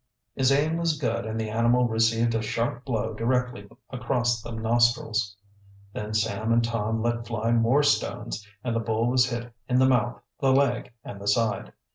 His aim was good and the animal received a sharp blow directly across the nostrils. Then Sam and Tom let fly more stones, and the bull was hit in the mouth, the leg, and the side.